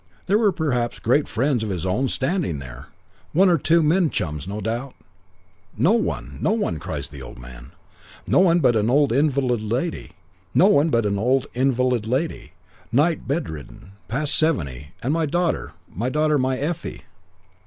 There were perhaps great friends of his own standing there, one or two men chums, no doubt?' 'No one! No one!' cries the old man. 'No one but an old invalid lady, nigh bedridden, past seventy, and my daughter, my daughter, my Effie.'